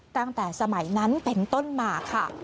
ตั้งแต่สมัยนั้นเป็นต้นมาค่ะ